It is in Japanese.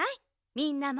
みんなも！